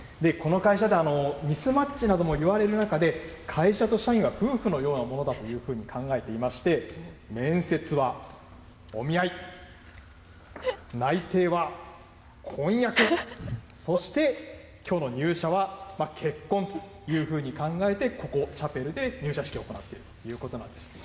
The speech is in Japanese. この会社で、ミスマッチなどもいわれる中で、会社と社員は夫婦のようなものだというふうに考えていまして、面接はお見合い、内定は婚約、そしてきょうの入社は結婚というふうに考えて、ここ、チャペルで入社式を行っているということなんです。